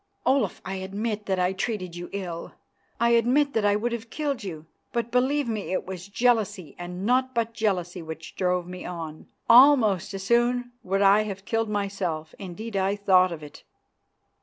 "Olaf, I admit that I treated you ill; I admit that I would have killed you; but, believe me, it was jealousy and naught but jealousy which drove me on. Almost as soon would I have killed myself; indeed, I thought of it."